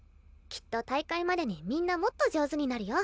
きっと大会までにみんなもっと上手になるよ。